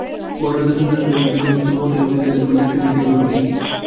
বরদাসুন্দরী কহিলেন, যদি মতেই মিল থাকে তবে দীক্ষা নিতেই বা ক্ষতি কী?